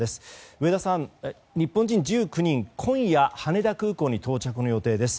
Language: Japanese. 上田さん、日本人１９人今夜羽田空港に到着の予定です。